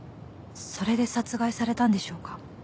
それで殺害されたんでしょうか？